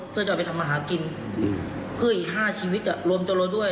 เพื่อจะเอาไปทำอาหารกินอืมคืออีกห้าชีวิตอ่ะรวมตัวรถด้วย